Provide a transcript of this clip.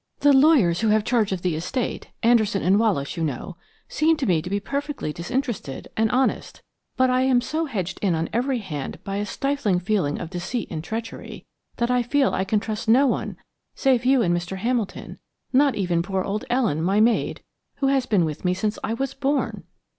The lawyers who have charge of the estate Anderson & Wallace, you know seem to me to be perfectly disinterested, and honest, but I am so hedged in on every hand by a stifling feeling of deceit and treachery that I feel I can trust no one save you and Mr. Hamilton not even poor old Ellen, my maid, who has been with me since I was born!"